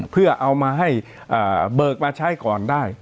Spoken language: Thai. เพื่อเอามาให้เบิกมาใช้ก่อนได้